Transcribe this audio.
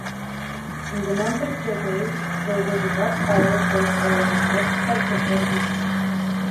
In the month of January there was a bad fire caused by an electrical control unit.